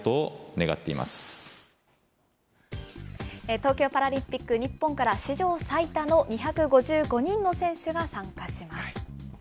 東京パラリンピック、日本から史上最多の２５５人の選手が参加します。